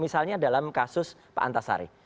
misalnya dalam kasus pak antasari